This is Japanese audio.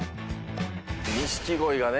「錦鯉がね